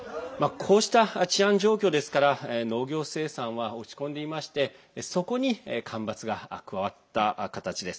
こうした治安状況ですから農業生産は落ち込んでいましてそこに干ばつが加わった形です。